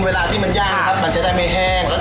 เวลาที่มันย่างครับมันจะได้ไม่แห้ง